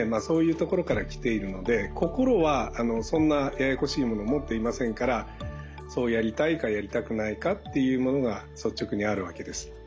そういうところから来ているので心はそんなややこしいもの持っていませんからそうやりたいかやりたくないかというものが率直にあるわけです。